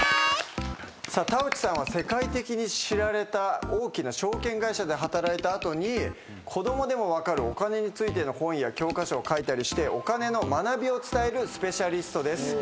さあ田内さんは世界的に知られた大きな証券会社で働いた後に子供でも分かるお金についての本や教科書を書いたりしてお金の学びを伝えるスペシャリストです。